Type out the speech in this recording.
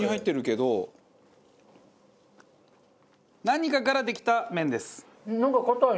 何かからできた麺です。